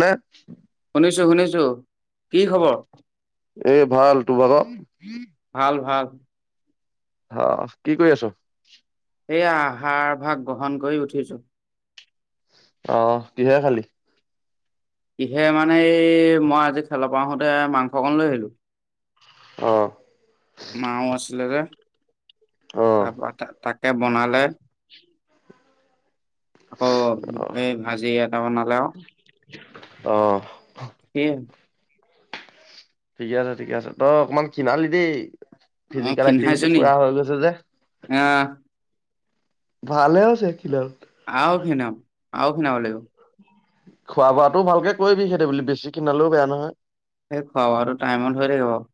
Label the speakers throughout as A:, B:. A: মানে।
B: শুনিছো শুনিছো। কি খবৰ?
A: এই ভাল তোৰ ভাগৰ
B: ভাল ভাল
A: অঁহ কি কৰি আছ?
B: সেয়া আহাৰ ভাগ গ্ৰহণ কৰি উঠিছো।
A: অহ কিহে খালি?
B: কিহে মানে এই মই আজি খেলৰ পৰা আহোতে মাংস অকণ লৈ আহিলো।
A: অঁহ
B: মাও আছিলে যে
A: অ'।
B: তাৰপা তাক। বনালে আকৌ এই ভাজি এটা বনালে আৰু।
A: অহ
B: কি
A: ঠিকে আছে ঠিকে আছে তই অকমান কিনালি দেই ফিজিকেল এক্টিভিটি পুৰা হৈ গৈছে যে।
B: অঁহ
A: ভালে আছে খিনালে।
B: আও খণা আও ক্ষণাব লাগিব
A: খোৱা বোৱাাতো ভালকে কৰিবি সেইটো বুলি বেছি খিনালেও বেয়া নহয়।
B: সেই খুৱাব আৰু টাইমত হৈ থাকিব।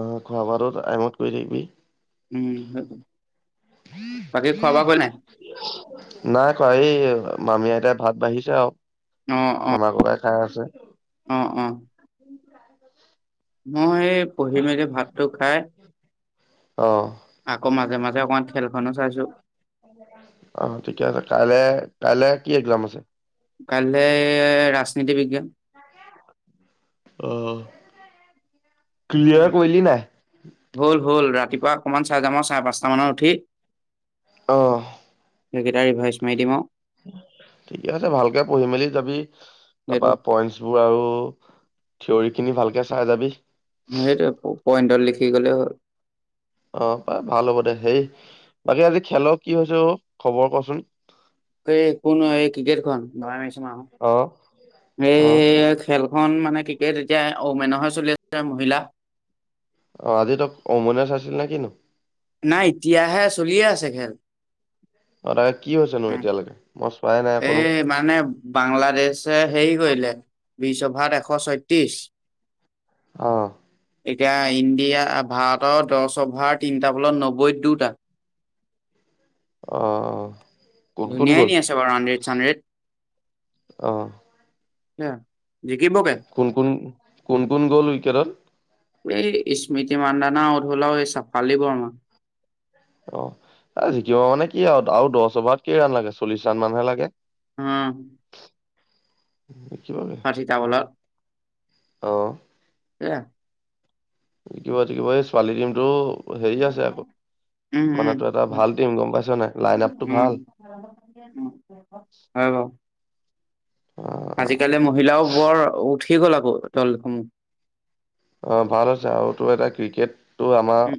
A: অ খোৱা বোৱা টাইমত কৰি থাকিবি।
B: উম সেইটো বাকী খোৱা বোৱাকৰিলি নাই।
A: নাই কোৱা এই মামী আইতাই ভাত বাঢ়িছে আৰু।
B: অ অ
A: মামা কবাই খাই আছে।
B: অ অ মই পঢ়ি মেলি যে ভাতটো খাই
A: অ',
B: আকৌ মাজে মাজে অকমান খেলখনো চাইছো।
A: অঁহ ঠিকে আছে। কাইলে কাইলে কি একজাম আছে?
B: কাললৈ ৰাজনীতি বিজ্ঞান।
A: অঁহ
B: হ'ল হ'ল ৰাখিছো। তা অকণমান চাই যাম চাৰে পাঁচটা মানত উঠি
A: অহ।
B: সেইকেইটা ৰিভাইচ মাৰি দিম আৰু।
A: ঠিকে আছে ভালকে পঢ়ি মেলি যাবি।
B: সেইটো
A: তাৰপা পইন্টচ বোৰ আৰু থিয়ৰ খিনি ভালকে চাই যাবি।
B: সেইটো পইণ্টত লিখি গলে হ'ল।
A: অ পাই ভাল হ'ব দে। হেৰি বাকী আজি খেলৰ কি হৈছে অ খবৰ কচোন?
B: এই কোন এই ক্ৰিকেটখন
A: অ
B: এই
A: অ
B: খেল খন মানে ক্ৰিকেট এতিয়া অ মেনৰহে চলি আছে মহিলা
A: অ আজি ত ৱমেনচৰ আছিল নে কিনো?
B: নাই এতিয়াহে চলিয়ে আছে খেল।
A: অ তা কি হৈছেনো
B: উম,
A: এতিয়ালৈকে মই চোৱাই নাই অকনো
B: এই মানে বাংলাদেশ সেই- কৰিলে বিশ অভাৰ এশ ছয়ত্ৰিশ।
A: অহ
B: এতিয়া ইণ্ডিয়া ভাৰতৰ দহ অভাৰ তিনিটা বলত নব্বৈত দুটা। [unintelligible]
A: অ কোন কোন
B: ধুনীয়াই
A: গ'ল
B: নি আছে বাৰু হণ্ড্ৰেড চানড্ৰেড
A: অ
B: জিকিবগে
A: কোন কোন কোন কোন গ'ল ৱিকেটত?
B: এই স্মৃতি মান্দানা আউত হলও এই চাফালী বৰ্মা।
A: অঁ জিকিব মানে কি আৰু আৰু দ'হ অভাৰত কেই ৰাওণ লাগে চল্লিশ ৰাওণ মান হে লাগে।
B: হম
A: [inaudible]
B: হয় চিতা বলা।
A: অহ
B: এ
A: শিকিব শিকিব এই ছোৱালী টীমটো হেৰি আছে আকৌ
B: উম
A: মানে তোৰ এটা ভাল টিম গম পাইছ নাই
B: উম
A: লাইন আপটো
B: উম
A: ভাল
B: হয় ব
A: অ',
B: আজিকালি মহিলাও বৰ উঠি গ'ল আকৌ দলসমূহত।
A: অ ভাল আ হৈছে আৰু তো এটা ক্ৰিকেট্। টো আমাৰ
B: উম,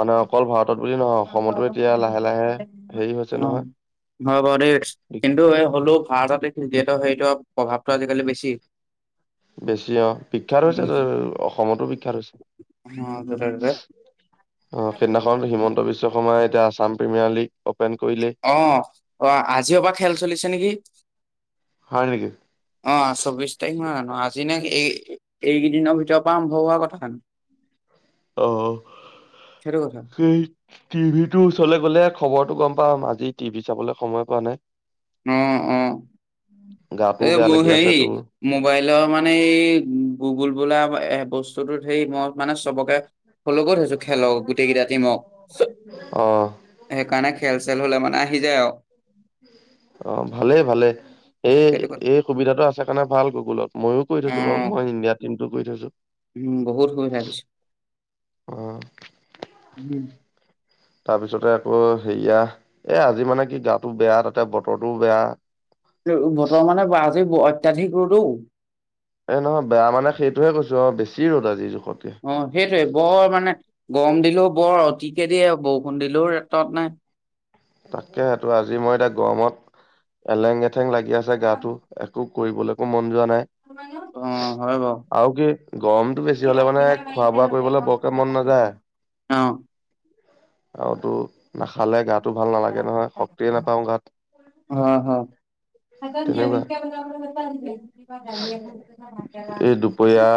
A: মানে অকল ভাৰতত বুলি নহয় অসমতো এতিয়া লাহে লাহে হেৰি হৈছে নহয়।
B: ভ বাৰ দে কিন্তু হ'লোক ভাৰতত ক্ৰিকেটৰ প্ৰভাৱটো আজিকালি বেছি
A: বেছি অ বিখ্যাত হৈছে
B: উম
A: অসমতো বিখ্যাত হৈছে।
B: অ যতে ততে
A: অ সেইদিনাখনত হিমন্ত বিশ্ব শৰ্মাৰ এতিয়া আসাম প্ৰিমিয়াৰ লীগ অপেন কৰিলেই।
B: অঁ অ আজিৰ পৰা খেল চলিছে নেকি।
A: হয় নেকি?
B: অ চৌবিশ তাৰিখ মান জানো আজি ন এই এইকেইদিনৰ ভিতৰৰ পৰা আৰম্ভ হোৱা কথা খান।
A: অ
B: কথা।
A: সেই টিভি ৰ ওচৰলে গ'লে খবৰটো গম প বা আজি টিভি চাবলৈ সময় পোৱা নাই
B: অ অ।
A: গাটোও
B: এ
A: বেয়া
B: মোৰ
A: লাগি আছে
B: হেৰি
A: তোৰ
B: মোবাইলৰ মানে এই গুগুল বোলা এ বস্তুটোত হেৰি মই মানে চবকে কলোগৈ হৈছো খেলক গোটেই কেইটা টিমক
A: অ',
B: সেইকাৰণে খেল চেল হলে মানে আহি যায় আৰু।
A: অঁ ভালেই ভালেই। এই
B: সেইটো কথা
A: এই সুবিধাটো আছে কাৰণে ভাল গুগুলত মইয়ো কৰি
B: অ
A: থৈছো বাৰু মই ইণ্ডিয়াৰ টিমটো কৰি থৈছো।
B: উম বহুত সুবিধা দিছে
A: অ
B: উম
A: তাৰপিছতে আকৌ হেৰিয়া এ আজি মানে কি গাটো বেয়া তাতে বতৰটোও বেয়া
B: বতৰ মানে আজি অত্যধিক ৰ'দ অ।
A: এই নহয় বেয়া মানে সেইটোহে কৈছো অঁ বেছি ৰ'দ আজি জোখত কৈ।
B: অ সেইটোৱে বৰ মানে গৰম দিলেও বৰ অধিকে দিয়ে বৰষুণ দিলেও ত'ত নাই।
A: তাকে সো আজি মই এতিয়া গৰমত এলেং এঠেং লাগি আছে গাটো একো। কৰিবলৈ একো মন যোৱা নাই।
B: অ হয় বাৰু
A: আৰু কি গৰমতটো বেছি হলে মানে খোৱা বোৱা কৰিবলৈ বৰকে মন নাযায়।
B: অ
A: আৰুতো নাখালে গা গা তো ভাল নালাগে নহয় শক্তিয়ে নাপাওঁ গাত।
B: আমাৰ নিয়ামিছ
A: তেনেকুৱা
B: কে আছে।
A: এই দুপৰীয়া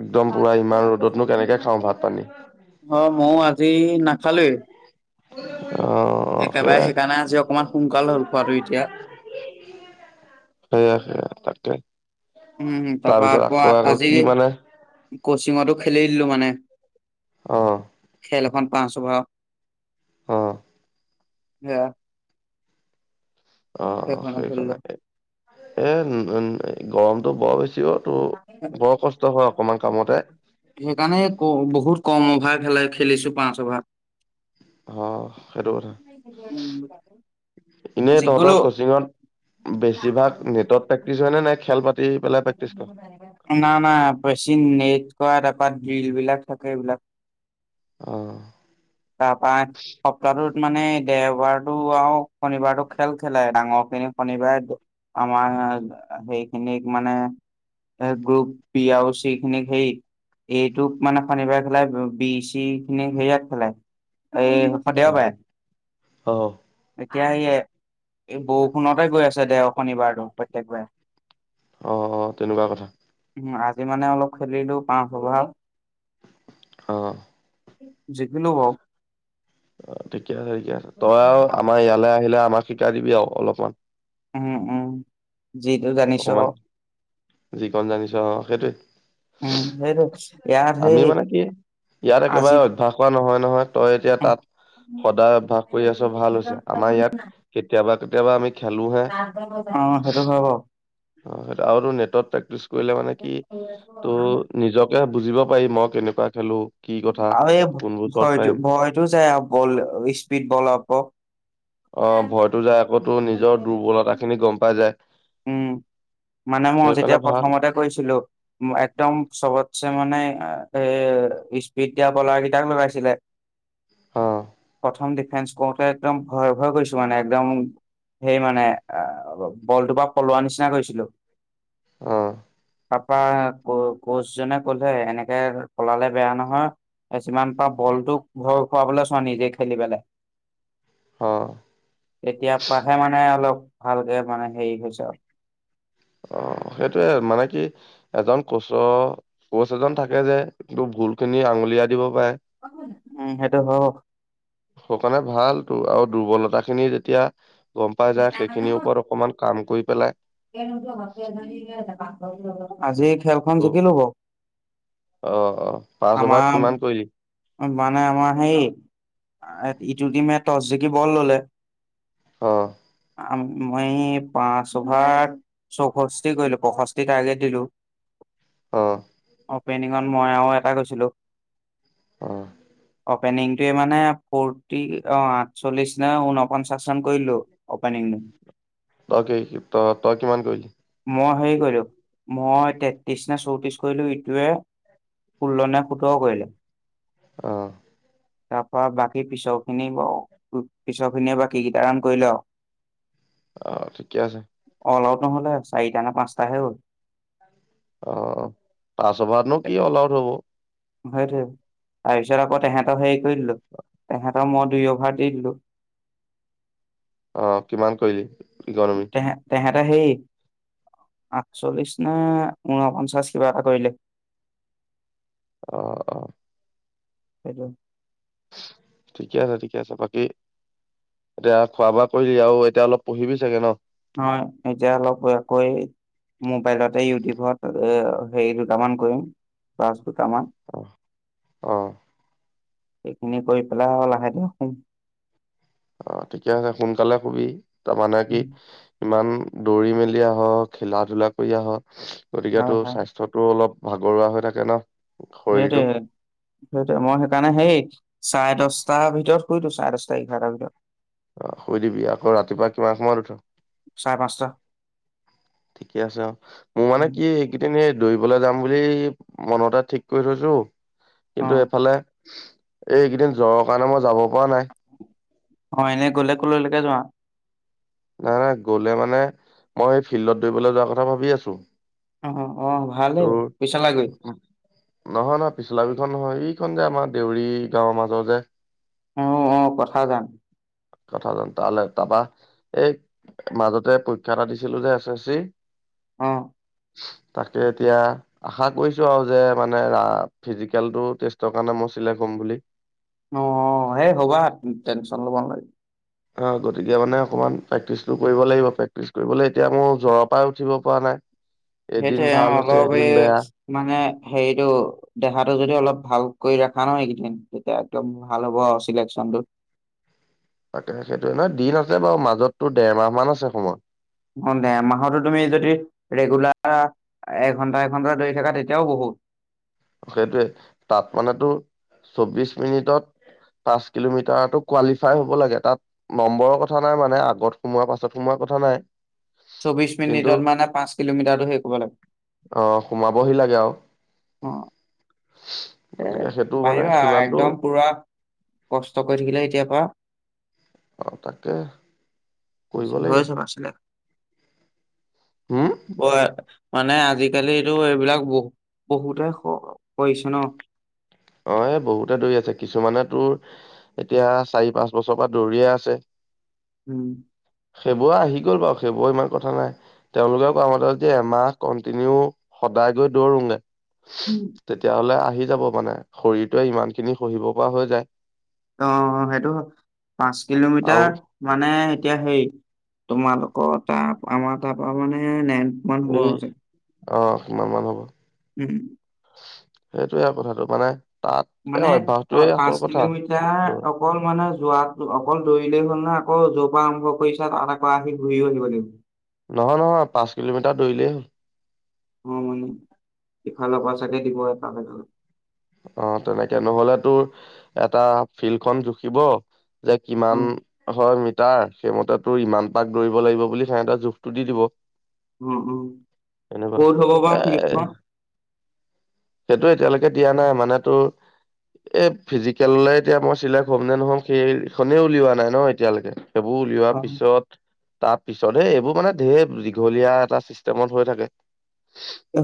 A: একদম পুৰা ইমান ৰ'দতনো কেনেকে খাওঁ ভাত পানী
B: অঁ মইও আজি ন। খালী?
A: অ অ
B: একেবাৰে
A: সেয়াই
B: সেইকাৰণে আজি অকমান সোনকাল হ'ল খোৱাটো এতিয়া।
A: সেয়া সেয়া।
B: উম তাৰ পৰা আকৌ আজি কচিঙতো খেলি দিলো মানে
A: অহ
B: খেল এখন পাঁচ অভাৰ।
A: অ।
B: এ
A: অ
B: খেলিলো।
A: সেইকাৰণে এ উ গৰমটো বৰ বেছি অ তো বৰ কষ্ট হয় অকমান কামতে
B: সেইকাৰণে ক বহুত কম অভাৱ। খেলাই খেলিছো পাঁচ অভাৰ।
A: অ সেইটো কথা
B: উম।
A: এনেই তহঁতৰ কচিঙত বেছিভাগ নেটত প্ৰেক্টিচ হয় নে নাই খেল পা
B: নাই না বেছি নেট কৰা তাৰপাত জল বিলাক থাকে এইবিলাক
A: অ
B: তাৰপা সপ্তাহটোত। মানে দেওবাৰটো আৰু শনিবাৰটো খেল খেলে। ডাঙৰ খিনি শনিবাৰে আমাৰ সেইখিনিক মানে এ গ্ৰুপ বি আৱস্যখিনি সেই এইটোক মানে শনিবাৰে খেলাই বি চি খিনি সেয়াত খেললে এই
A: অ অ
B: দেওবাহ এতিয়া সেয়ে, এই বৰষুণতে গৈ আছে দে শনিবাৰতো প্ৰত্যেকবাৰ
A: অ অ তেনেকুৱা কথা
B: উ আজি মানে অলপ খেলিলো পাঁচ অভাৰ
A: অহ।
B: যিকিনো বও
A: অ ঠিকে আছে ঠিকে আছে তই আৰু আমাৰ ইয়ালৈ আহিলে আমাক শিকাই দিবি আৰু অলপমান
B: উম উম যিটো জানিছো
A: অকমান
B: আৰু
A: যিকণ জানিছ অ সেইটোৱে
B: উম সেইটো ইয়াৰ সেই
A: আমি মানে কি ইয়াত
B: আজি
A: একেবাৰে অভ্যাস কৰা নহয় নহয়, তই এতিয়া তাত
B: [inaudible] অ
A: সদায় অভ্যাস কৰি আছ ভাল হৈছে আমাৰ ইয়াত কেতিয়াবা কেতিয়াবা আমি খেলোহে
B: সেইটো হয় ব
A: অ সেইটো আৰু নেটত প্ৰেক্টিচ কৰিলে মানে কি ত নিজকে বুজিব পাৰি মই কেনেকুৱা খেলো কি কথা
B: আৰু এই
A: কোনবোৰ চৰ্ট
B: ভয়তো
A: পাৰিম
B: ভয়টো যাই আৰু বল স্পীড বলপক
A: অ ভয়তো যায় আকৌতো নিজৰ দুৰ্বলতা খিনি গম পাই যায়
B: উম। মানে মই
A: সেইকাৰণে
B: যেতিয়া
A: ভাল
B: প্ৰথমতে কৈছিলো, একদম চবতছে মানে এ স্পীড দিয়া বলাৰ কেইটাক লগাইছিলে।
A: অ
B: প্ৰথম ডিফেন্স কৰোতে একদম ভয় ভয় কৰিছো মানে একদম সেই মানে অ বলটো বা থলোৱা নিচিনা কৰিছিলোঁ
A: অ
B: ত ক কোচ জনে কলে এনেকে পলালে বেয়া নহয়। যিমান পা বলটোক ঘৰ খুৱাবলৈ চোৱা নিজে খেলি পেলাই
A: অ
B: তেতিয়া পাহে মানে অলপ ভালকে মানে হেৰি হৈছে আৰু।
A: অ সেইটোয়ে মানে কি এজন কোচৰ কোচ এজন থাকে যে একটো ভুল খিনি আঙুলিয়া
B: উম সেইটো হ
A: সেই কাৰণে ভাল তো আৰু দুৰ্বলতা খিনি যেতিয়া গম পাই যায় সেইখিনিৰ ওপৰত অকমান কাম কৰি পেলাই
B: আজি খেলখন
A: অ
B: জিকি লব
A: অ অ পাঁচ অভাৰত
B: আমাৰ
A: কিমান কৰিলি
B: মানে আমাৰ সেই ইটো টিমে টচ জিকি বল ললে
A: অ।
B: মই পাঁচঅভাৰত চৌষষ্ঠি কৰিলো পষষ্ঠি টাৰ্গেট দিলো [inaudible]
A: আহ
B: অপেনিঙত মই আৰু এটা গৈছিলোঁ
A: আহ
B: অপেনিংটোয়ে মানে ফৰ্টি অ আঠচল্লিশ নে ঊনপঞ্চাশমান কৰিলো অপেনিং। উ
A: তাকে, ত তই কিমান কৰিলি?
B: মই হেৰি কৰিলো, মই তেত্ৰিশ ন চৌত্ৰিশ কৰিলো ইটোৱে ষোল্ল নে সোতৰ কৰিলে।
A: অহ।
B: তাৰপ বাকীি পিছৰখিনিয়ে বাকী কিতা ৰান কৰিলে আও
A: আহ, ঠিকে আছে।
B: আউট নহলে চাৰিটা নে পাঁচটাহে হ'ল।
A: অ পাছ অভাৰতনো কি অল আউট হ'ব?
B: সেইটোৱে, তাৰপিছত আকৌ তেহেতক হেৰি কৰি দিলো তেহত আৰু মই দুই অভাৰ দি দিলোঁ।
A: অ কিমান কৰিলি? ইকনমি
B: হে তেহেটা সেই আঠচল্লিশ নে ঊনপঞ্চাশ কিবা এটা কৰিলে
A: অ অ
B: হেল্ল'?
A: ঠিকে আছে ঠিকে আছে বাকী এতিয়া খোৱা বোৱা কৰিলি আৰু এতিয়া অলপ পঢ়িবি চাগে ন?
B: হয় এতিয়া অলপ আকৈ মোবাইলতে ইউটিউবত এ হেৰি দুটামান কৰিম দুটামান
A: অ অ
B: সেইখিনি কৰি পেলাই আৰু লাহেকে শুম।
A: অ ঠিকে আছে সোনকালে শুবি তাৰমানে কি ইমান- দৌৰি মেলি আহ, খেলা ধূলা কৰি আহ
B: হয়
A: গতিকেতো
B: হয়
A: স্বাস্থ্যতো অলপ ভাগৰুৱা হৈ থাকে ন।
B: সেইটোয়ে
A: শৰীৰটো
B: সেইটোৱে মই সেইকাৰণে সেই চাৰে দচটাৰ ভিতৰত শুই দিও চাৰে দহটা এঘাৰটাৰ ভিতৰত।
A: আহ শুই দিবি আকৌ ৰাতিপুৱা কিমান সময়ত উঠ।
B: চাৰে পাঁচটা
A: ঠিকে আছে অ, মোৰ মানে
B: উম,
A: কি এইকেইদিন দৌৰিবলৈ যাম বুলি মনতে ঠিক কৰি থৈছো,
B: অ
A: কিন্তু এফালে এই এইকেইদিন জ্বৰৰ কাৰণে মই যাব পৰা নাই।
B: অ এনেই গলে কলৈলৈকে যোৱা?
A: নাই নাই গ'লে মানে মই সেই ফিল্ডত দৌৰিবলৈ যোৱাৰ কথা ভাবি আছো।
B: অ অ ভালেই
A: তোৰ
B: পইচা লাগে।
A: নহয় নহয় পিছলা বিখন নহয় এইখন যে আমাৰ দেউৰী গাঁৱৰ মাজৰ যে।
B: উম উম কথা যান
A: কথা জান তালে তাৰপৰা এই মাজতে পৰীক্ষা এটা দিছিলো যে এছ এছ চি
B: অ
A: তাক এতিয়া আশা কৰিছো আৰু যে মানে ৰা ফিজিকেলটো ৰে কাৰণে মই চিলেক্ট হম বুলি।
B: অ', সেই হ'বা টেনচন ল'ব নালাগে।
A: অ গতিকে মানে অকমান প্ৰেক্টিচটো কৰিব লাগিব প্ৰেক্টিচ কৰিবলৈ এতিয়া মোৰ জ্বৰৰ পৰাই উঠিব পৰা নাই। এদিন
B: সেইটো
A: ভাল হৈছে
B: অলপ
A: এদিন
B: এই
A: বেয়া
B: মানে হেৰিটো দেহাটো যদি অলপ ভাল কৰি ৰখা ন এইকেইদিন তেতিয়া একদম ভাল হ'ব চিলেকচন বত
A: তাকে সেইটোয়ে নহয় দিন আছে বাৰু মাজতো দেৰমাহ মান আছে সময়।
B: অ দে মাহতো তুমি যদি ৰেগুলাৰ এঘন্টা এঘন্টা দৰি থাকা তেতিয়াও বহুত [unintelligible]
A: সেইটোৱে তাপ মানেতো চৌবিশ মিনিটত পাঁচ কিলোমিটাৰো কোৱালিফাই হ'ব লাগে তাত নম্বৰৰ কথা নাই মানে আগত সোমোৱাৰ পাছত সোমোৱা কথা নাই।
B: চৌবিশ
A: কিন্তু
B: মিনিটত মানে পাঁচ কিলোমিটাৰটো হেৰি কৰিব লাগে
A: অঁহ সোমাবহি লাগে আৰু।
B: অঁ এ
A: গতিকে সেইটো মানে
B: পাৰিবা
A: সিমানটো
B: একদম পুৰা কষ্ট কৰি থাকিলে এতিয়াৰ পৰা।
A: অ তাকে কৰিব লাগিব
B: হৈ চোন আছিলে।
A: হুম
B: কয় মানে আজিকালি টো এইবিলাক বহুত। বহুতে কৰিছে ন।
A: অঁ এই বহুতে দৌৰি আছে কিছুমানে তোৰ এতিয়া চাৰি পাঁচ বছৰৰ পৰা দৌৰিয়ে আছে।
B: উম।
A: খেবুৱা আহি গ'ল বাৰু খেবুৱা ইমান কথা নাই তেওঁলোকে ক মতে যে এমাহ কণ্টিনিউ সদায় গৈ দৌৰোগে।
B: উম।
A: তেতিয়া হ'লে আহি যাব মানে শৰীৰটোৱে ইমান খিনি সহিব পৰা হৈ যায়।
B: অ সেইটো পাঁচ
A: আৰু
B: কিলোমিটাৰ মানে। এতিয়া সেই তোমালোকৰ ত আমাৰ তপৰা মানে নেনান হব
A: এই
B: আছিল।
A: অ কিমান মান হ'ব।
B: উম।
A: সেইটোয়ে কথাটো মানে। তাত এই
B: মানে অ
A: অভ্যাসটোৱে
B: পাঁচ
A: আচল কথা
B: কিলোমিটাৰ অকল মানে যোৱাত অকল লেই হ'ল না আকৌ যৰ পৰা আৰম্ভ কৰিছা তাৰক পৰা আহি ঘূৰিও আহিব লাগিব।
A: নহয় নহয় পাঁচ কিলোমিটাৰ দৌৰিলেই হ'ল।
B: অ মানে [unintelligible]
A: অ তেনেকে নহলে তোৰ এটা ফিল্ডখনন জুখিব। যে
B: অ
A: কিমান হয় মৃত্যু। তাৰ সেইমতে তো ইমান পাক দৌৰিব লাগিব বুলি সিহঁতৰ জোখটো দি দিব।
B: অ অ
A: এনেকুৱা
B: ক'ত হ'ব বা
A: এ।
B: ফিল্ডখন
A: সেইটো এতিয়ালৈকে দিয়া নাই মানেতো। এ ফিজিকেললে এতিয়া মই চিলেক্ট হ'ম নে নহ'ম সেইখনেই উলিওৱা নাই ন এতিয়ালৈকে! সেইবোৰ উলিওৱাৰ পিছত তাৰ পিছতহে এইবোৰ মানে, ধেৰ দীঘলীয়া এটা চিষ্টেমত হৈ থাকে।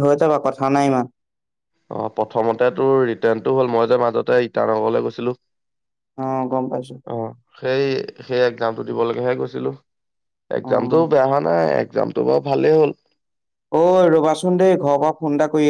B: হৈ যাব কথা নাই ইমান।
A: অ' প্ৰথমতে তোৰ ৰিটেনটো হ'ল। মই যে মাজতে ইটানগৰলৈ গৈছিলো।
B: অ' গম পাইছো।
A: অ সেই, সেই এক্জামতটো দিবলেকেহে গৈছিলো।
B: অ
A: একজামতটো বেয়া হোৱা নাই। একজামটো বাৰু ভালেই হ'ল।
B: ঐ ৰবাচোন দেই ঘৰৰ পৰা ফোন এটা কৰি